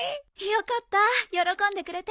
よかった喜んでくれて。